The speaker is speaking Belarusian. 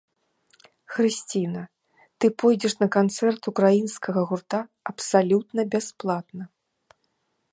Хрысціна, ты пойдзеш на канцэрт украінскага гурта абсалютна бясплатна.